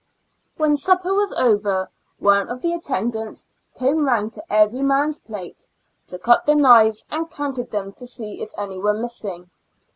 When supper was over, one of the attendants came round to every man's plate, took up the knives and counted them, to see if any were missing.